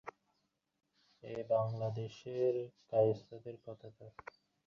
তখন শ্রীদত্ত নিতান্ত নিরুপায় ভাবিয়া ক্ষান্ত রহিল এবং অত্যন্ত পথশ্রান্ত ছিল তৎক্ষণাৎ নিদ্রাগত হইল।